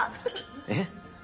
えっ？